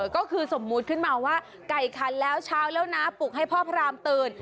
ก็คือสมมุติขึ้นมาว่าไก่คันแล้วเช้าแล้วนะปลุกให้พ่อพรามตื่น